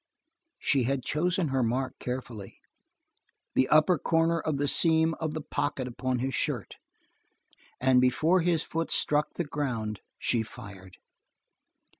She had chosen her mark carefully, the upper corner of the seam of the pocket upon his shirt, and before his foot struck the ground she fired.